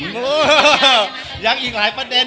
เออยังอีกหลายประเด็น